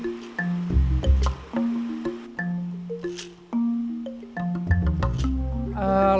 luar biasa ya luar biasa